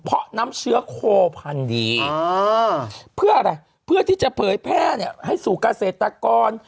เพราะน้ำเชื้อโคพันธุ์ดีเพื่ออะไรเพื่อที่จะเผยแพร่ให้สู่เกษตรกร